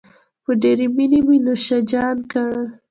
په ډېرې مينې مې نوشیجان کړل.